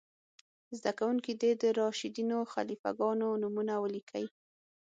زده کوونکي دې د راشدینو خلیفه ګانو نومونه ولیکئ.